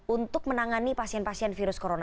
untuk menangani pasien pasien virus corona